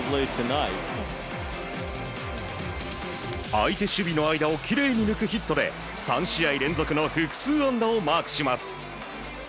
相手守備の間をきれいに抜くヒットで３試合連続の複数安打をマークします。